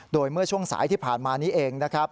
โดยเมื่อช่วงสายที่ผ่านมานี้เองนะครับ